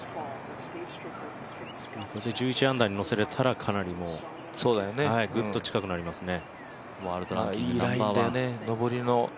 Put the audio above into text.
１１アンダーに乗せられたら、ぐっと近くなりますよね。